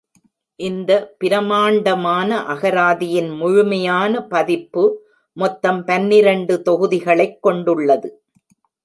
இந்த பிரம்மாண்டமான அகராதியின் முழுமையான பதிப்பு மொத்தம் பன்னிரண்டு தொகுதிகளைக் கொண்டுள்ளது.